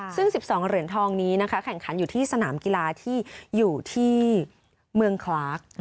ซึ่ง๑๒เหรียญทองนี้นะคะแข่งขันอยู่ที่สนามกีฬาที่อยู่ที่เมืองคลาก